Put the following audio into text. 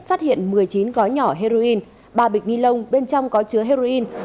phát hiện một mươi chín gói nhỏ heroin ba bịch nilông bên trong có chứa heroin